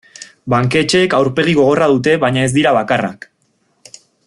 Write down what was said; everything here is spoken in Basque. Banketxeek aurpegi gogorra dute baina ez dira bakarrak.